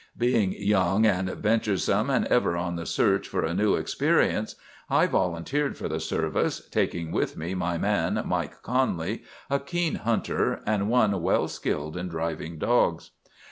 Being young and venturesome, and ever on the search for a new experience, I volunteered for the service, taking with me my man, Mike Conley, a keen hunter, and one well skilled in driving dogs.